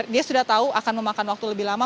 dia sudah tahu akan memakan waktu lebih lama